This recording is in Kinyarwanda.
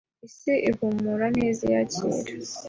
Isi ihumura neza iyakira